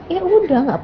ya udah gak apa apa